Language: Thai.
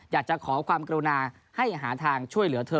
อยากจะขอความกรุณาให้หาทางช่วยเหลือเธอ